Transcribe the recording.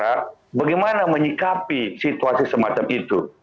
ada kadang kadang demokra gimana menyikapi situasi semacam itu